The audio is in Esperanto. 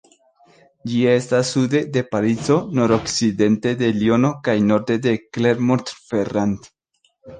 Ĝi estas sude de Parizo, nordokcidente de Liono kaj norde de Clermont-Ferrand.